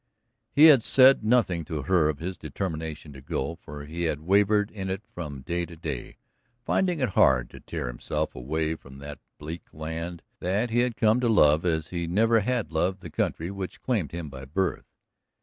He had said nothing to her of his determination to go, for he had wavered in it from day to day, finding it hard to tear himself away from that bleak land that he had come to love, as he never had loved the country which claimed him by birth.